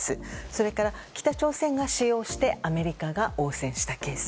それから、北朝鮮が使用してアメリカが応戦したケース。